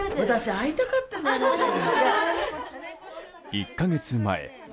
１か月前。